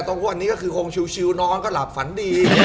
ต้องพูดว่าอันนี้คือคงชิวนอนก็หลับฝันดี